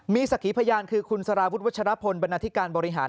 มีสักขีพยานคือคุณสารวุฒิวัชรพลบรรณาธิการบริหาร